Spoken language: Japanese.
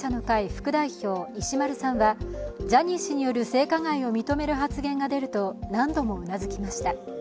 副代表、石丸さんは、ジャニー氏による性加害を認める発言が出ると、何度もうなずきました。